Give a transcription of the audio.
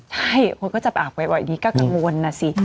ใช่คนก็จับอาบบ่อยนี้ก็กังวลนะสิ